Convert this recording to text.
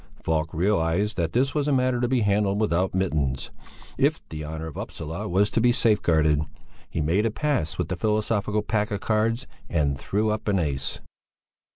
Falk realized that this was a matter to be handled without mittens, if the honour of Upsala was to be safeguarded; he made a pass with the philosophical pack of cards and threw up an ace.